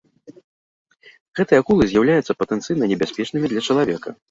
Гэтыя акулы з'яўляюцца патэнцыйна небяспечнымі для чалавека.